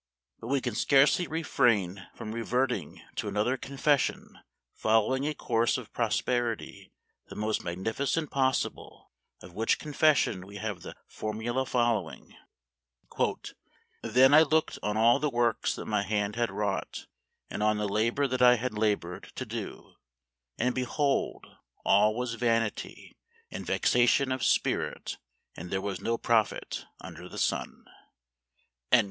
But we can scarcely refrain from reverting to another confession following a course of prosperity the most magnificent possible, of which confession we have the for mula following : 126 Memoir of Washington Irving. " Then I looked on all the works that my hands had wrought, and on the labor that I had labored to do : and, behold, all was vanity and vexation of spirit, and there was no profit under the sun."